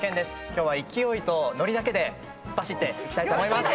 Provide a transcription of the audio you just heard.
今日は勢いとノリだけで突っ走っていきたいと思います。